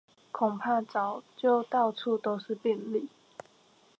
恐怕早就到處都是病例